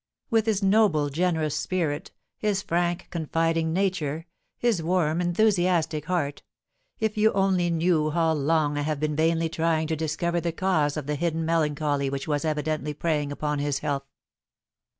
With his noble, generous spirit, his frank, confiding nature, his warm, enthusiastic heart, if you only knew how long I have been vainly trying to discover the cause of the hidden melancholy which was evidently preying upon his health.